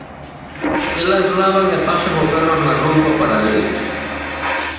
Elas lavan e pasan o ferro na roupa para eles.